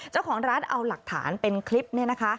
เจ้าของร้านเอาหลักฐานเป็นคลิปเนี่ยนะคะ